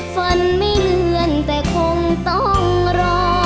ฝนไม่เลื่อนแต่คงต้องรอ